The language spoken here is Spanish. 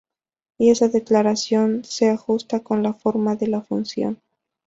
Y esa declaración se ajusta con la forma de la función.